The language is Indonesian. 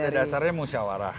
itu pada dasarnya musyawarah